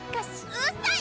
うっさい！